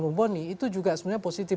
mumpuni itu juga sebenarnya positif